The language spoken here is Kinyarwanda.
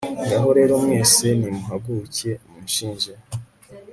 ngaho rero mwese nimuhaguruke munshinje